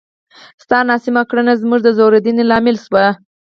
ستا ناسمه کړنه زموږ د ځورېدنې لامل شوه!